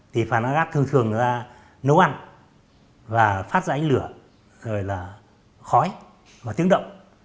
thì phanagat thường thường ra nấu ăn và phát ra ánh lửa rồi là khói và tiếng động